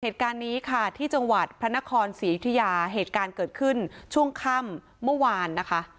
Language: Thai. เหตุการณ์นี้ค่ะที่จังหวัดพระนครศรียุธิยาเหตุการณ์เกิดขึ้นช่วงค่ำเมื่อวานนะคะ